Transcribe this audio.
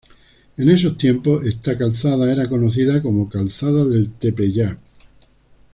En esos tiempos esta calzada era conocida como Calzada del Tepeyac.